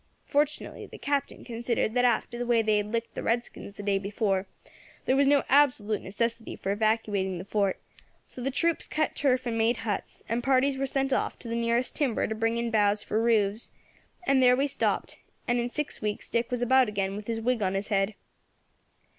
Fortunately the Captain considered that after the way they had licked the redskins the day before there was no absolute necessity for evacuating the Fort; so the troops cut turf and made huts, and parties were sent off to the nearest timber to bring in boughs for roofs, and there we stopped, and in six weeks Dick was about again with his wig on his head.